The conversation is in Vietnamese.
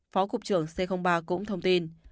phó cục trưởng c ba cũng thông tin